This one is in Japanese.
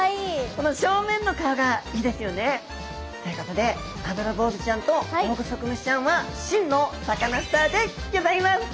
この正面の顔がいいですよね。ということでアブラボウズちゃんとオオグソクムシちゃんは真のサカナスターでギョざいます。